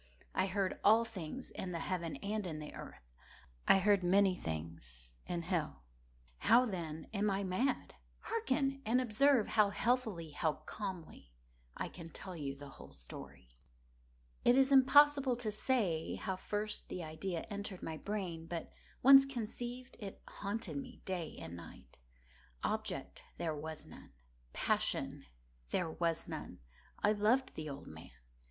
I heard all things in the heaven and in the earth. I heard many things in hell. How, then, am I mad? Hearken! and observe how healthily—how calmly I can tell you the whole story. It is impossible to say how first the idea entered my brain; but once conceived, it haunted me day and night. Object there was none. Passion there was none. I loved the old man.